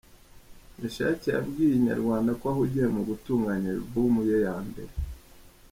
Mechack yabwiye Inyarwanda ko ahugiye mu gutunganya album ye ya mbere.